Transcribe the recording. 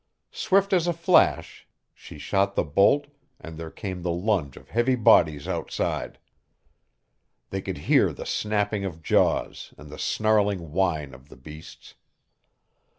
Swift as a flash she shot the bolt, and there came the lunge of heavy bodies outside. They could hear the snapping of jaws and the snarling whine of the beasts.